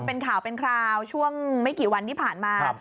เป็นข่าวเป็นคราวช่วงไม่กี่วันที่ผ่านมา